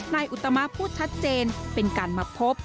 อุตมะพูดชัดเจนเป็นการมาพบ